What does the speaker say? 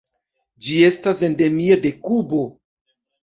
Ĝi estas endemia de Kubo.